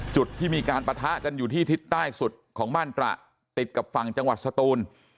จุดที่มีการปะทะกันอยู่ที่ทิศใต้สุดของบ้านตระติดกับฝั่งจังหวัดสตูน